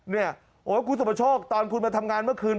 โอ๊ยคุณสุประโชคตอนคุณมาทำงานเมื่อคืน